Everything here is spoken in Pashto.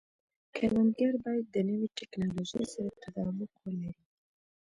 کروندګري باید د نوې ټکنالوژۍ سره تطابق ولري.